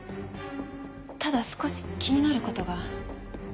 ただ少し気になることが。